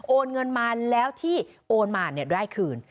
โอนเงินมาแล้วที่โอนมาได้คืน